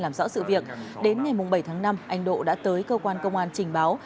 làm rõ sự việc đến ngày bảy tháng năm anh độ đã tới cơ quan công an trình báo